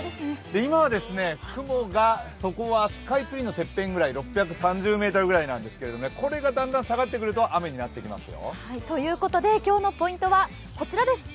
今は雲が底はスカイツリーのてっぺん６３０ｍぐらいなんですけどこれがだんだん下がってくると雨になってきますよ。ということで今日のポイントはこちらです。